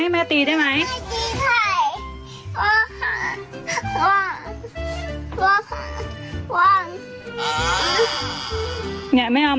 มันอยู่